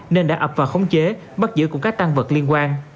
nên đã ập vào khống chế bắt giữ cùng các tăng vật liên quan